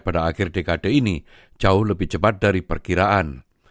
pada akhir dekade ini jauh lebih cepat dari perkiraan